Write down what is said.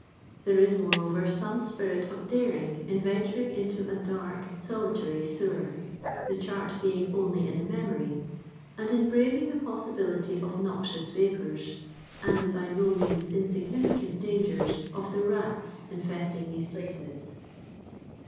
There is, moreover, some spirit of daring in venturing into a dork, solitary sewer, the chart being only in the memory, and in braving the possibility of noxious vapours, and the by no means insignificant dangers of the rats infesting these places.